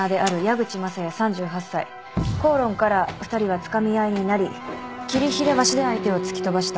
口論から２人はつかみ合いになり桐平橋で相手を突き飛ばした。